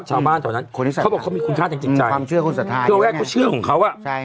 ชาวบ้านตอนนั้นเขาบอกเขามีคุณค่าทางจิตใจเครื่องแรกก็เชื่อของเขา